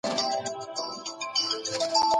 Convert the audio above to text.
کابل د افغانستان پلازمينه او د زړه مقام لري.